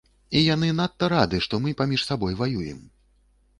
І яны надта рады, што мы паміж сабой ваюем.